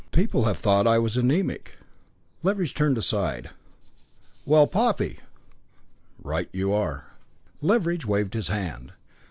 People have thought I was anæmic." Leveridge turned aside: "Well, Poppy!" "Right you are." Leveridge waved his hand.